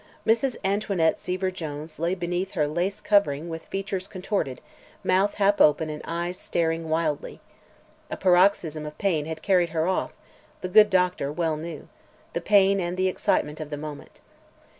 Mrs. Antoinette Seaver Jones lay beneath her lace covered with features contorted, mouth half open and eyes staring wildly. A paroxysm of pain had carried her off, the good doctor well knew; the pain, and the excitement of the moment.